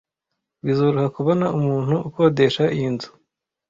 Bizoroha kubona umuntu ukodesha iyi nzu.